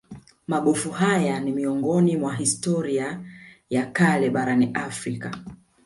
Magofu haya ni miongoni mwa historia ya kale barani Afrika